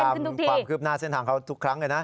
เราติดตามความคืบหน้าเส้นทางเขาทุกครั้งเลยนะ